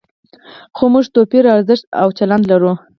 خو موږ توپیري ارزښت او چلند لرو.